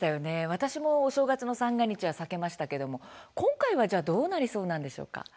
私も正月三が日の参拝は避けましたけれども今回はどうなりそうでしょうか。